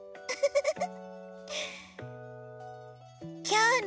フフフ。